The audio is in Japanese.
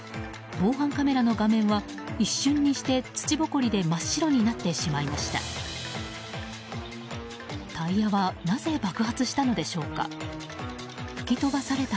防犯カメラの画面は一瞬にして土ぼこりで真っ白になってしまいました。